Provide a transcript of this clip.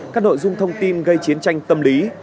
các nội dung thông tin gây chiến tranh tâm lý